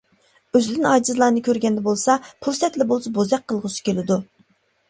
ئۆزىدىن ئاجىزلارنى كۆرگەندە بولسا پۇرسەتلا بولسا بوزەك قىلغۇسى كېلىدۇ.